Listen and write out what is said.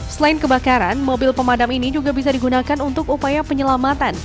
selain kebakaran mobil pemadam ini juga bisa digunakan untuk upaya penyelamatan